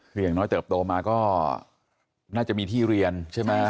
คืออย่างน้อยเติบโตมาก็น่าจะมีที่เรียนใช่ไหม